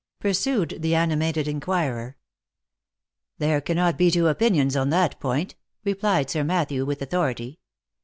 pursued the animated inquirer. " There cannot be two opinions on that point," replied Sir Mat thew, with authority.